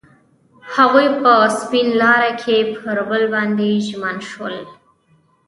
هغوی په سپین لاره کې پر بل باندې ژمن شول.